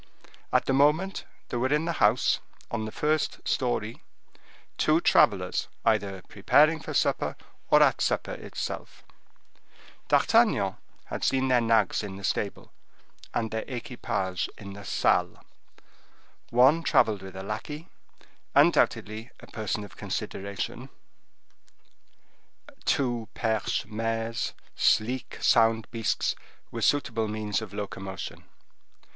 At the moment, there were in the house, on the first story, two travelers either preparing for supper, or at supper itself. D'Artagnan had seen their nags in the stable, and their equipages in the salle. One traveled with a lackey, undoubtedly a person of consideration;—two Perche mares, sleek, sound beasts, were suitable means of locomotion.